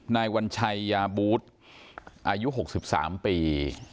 นายวัญชัยยาโบ๊ทอายุหกสิบสามปี